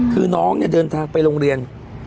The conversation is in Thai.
คือน้องเนี่ยเดินทางไปโรงเรียน